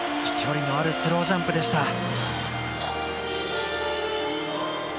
飛距離のあるスロージャンプでした。